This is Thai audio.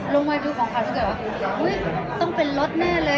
ลงไปดูของเขาคือต้องเป็นรถแน่เลย